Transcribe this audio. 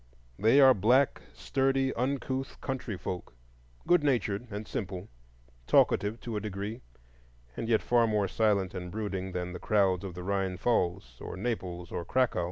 They are black, sturdy, uncouth country folk, good natured and simple, talkative to a degree, and yet far more silent and brooding than the crowds of the Rhine pfalz, or Naples, or Cracow.